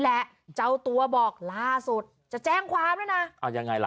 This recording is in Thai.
เจ้าตัวบอกล่าสุดจะแจ้งความด้วยนะอ่ายังไงล่ะ